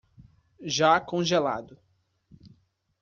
Já congelado